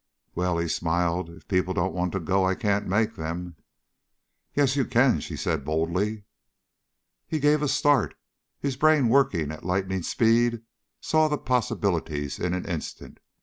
"Well," he smiled, "if people don't want to go, I can't make them." "Yes you can," she said boldly. He gave a start. His brain working at lightning speed saw the possibilities in an instant.